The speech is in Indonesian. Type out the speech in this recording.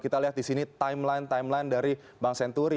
ini adalah timeline timeline dari bank senturi